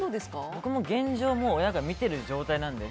僕も現状、親が見ている状態なので。